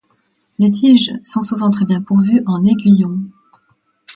Les tiges sont souvent très bien pourvues en aiguillons.